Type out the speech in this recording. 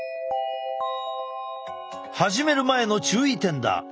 始める前の注意点だ！